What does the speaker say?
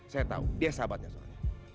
saya tahu dia sahabatnya soalnya